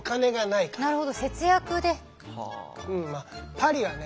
パリはね